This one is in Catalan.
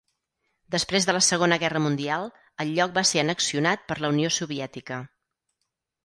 Després de la Segona Guerra Mundial, el lloc va ser annexionat per la Unió Soviètica.